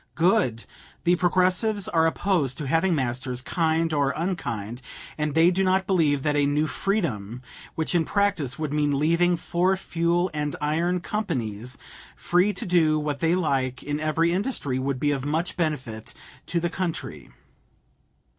Good! The Progressives are opposed to having masters, kind or unkind, and they do not believe that a "new freedom" which in practice would mean leaving four Fuel and Iron Companies free to do what they like in every industry would be of much benefit to the country.